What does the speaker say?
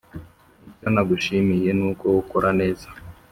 Icyo nagushimiye nuko ukora neza